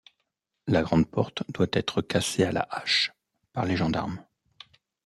La grand'porte doit être cassée à la hache par les gendarmes.